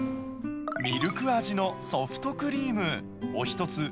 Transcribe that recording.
ミルク味のソフトクリーム。